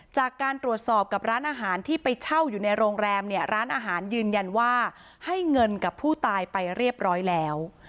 จากการตรวจสอบกับร้านอาหารที่ไปเช่าอยู่ในโรงแรมเนี่ยร้านอาหารยืนยันว่าให้เงินกับผู้ตายไปเรียบร้อยแล้ว